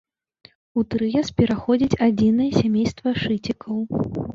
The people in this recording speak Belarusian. У трыяс пераходзіць адзінае сямейства шыцікаў.